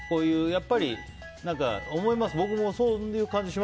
やっぱり、思います。